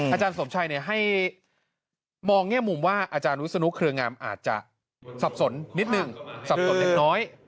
อาจารย์สมชัยให้มองแง่มุมว่าอาจารย์วิศนุเครืองามอาจจะสับสนนิดนึงสับสนเล็กน้อย